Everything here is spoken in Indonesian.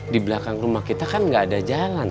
di belakang rumah kita kan gak ada jalan sayang